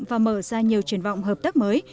và mở ra nhiều truyền vọng hợp tác mới